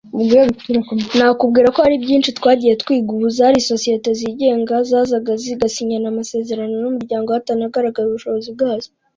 nakubwira ko hari byinshi twagiye twiga… Ubu zari sosiyete zigenga zazaga zigasinyana amasezerano n’umuryango hatanagaragaye ubushobozi bwazo